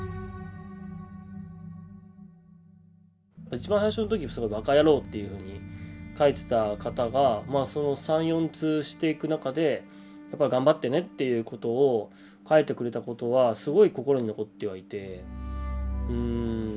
一番最初の時「バカヤロウ」っていうふうに書いてた方が３４通していく中で「がんばってね」っていうことを書いてくれたことはすごい心に残ってはいて。